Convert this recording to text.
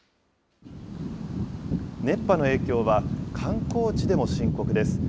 熱波の影響は、観光地でも深刻です。